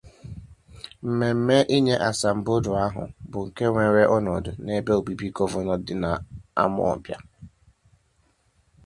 Memme inye àsàmbodo ahụ bụ nke weere ọnọdụ n'ebe obibi gọvanọ dị n'Amawbịa